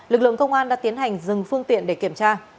lực lượng công an đã tiến hành dừng phương tiện để kiểm tra